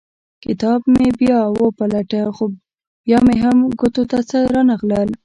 کتاب مې بیا وپلټه خو بیا مې هم ګوتو ته څه رانه غلل.